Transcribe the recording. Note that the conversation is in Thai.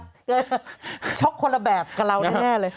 ใช่ช็อคคนละแบบกับเราได้แน่เลย